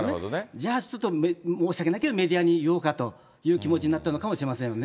じゃ、ちょっと申し訳ないけど、メディアに言おうかという気持ちになったのかもしれませんよね。